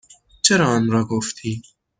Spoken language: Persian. چرا آنرا گفتی؟